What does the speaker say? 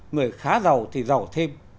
người khá giàu thì giàu thêm